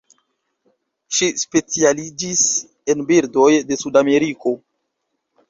Ŝi specialiĝis en birdoj de Sudameriko.